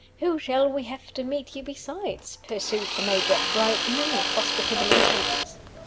Who shall we have to meet you besides?" pursued the Major, brightening with hospitable intentions.